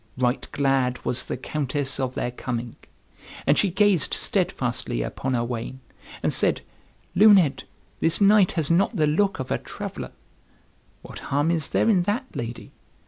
Right glad was the Countess of their coming. And she gazed steadfastly upon Owain, and said, "Luned, this knight has not the look of a traveller." "What harm is there in that, lady?"